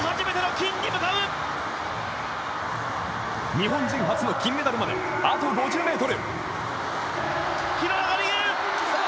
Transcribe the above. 日本人初の金メダルまであと５０ｍ。